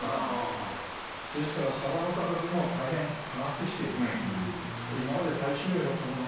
ですからサバの価格も大変上がってきている。